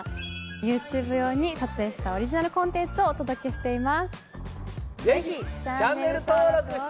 ＹｏｕＴｕｂｅ用に撮影したオリジナルコンテンツをお届けしています。